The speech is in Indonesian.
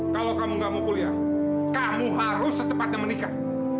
kalau kamu gak mau kuliah kamu harus secepatnya menikah